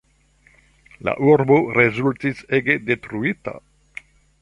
La urbo rezultis ege detruita.